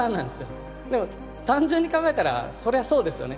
でも単純に考えたらそりゃそうですよね。